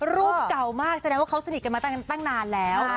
รูปเก่ามากแสดงว่าเขาสนิทกันมาตั้งนานแล้ว